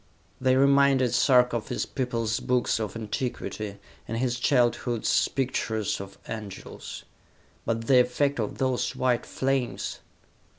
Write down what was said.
They reminded Sarka of his people's books of antiquity, and his childhood's pictures of angels.... But the effect of those white flames!...